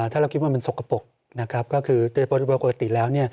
ถ้าเรากินว่าเป็นสกปรกก็คือปกติแล้ว